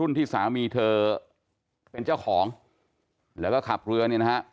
รุ่นที่สามีเธอเป็นเจ้าของแล้วก็ขาปเรือ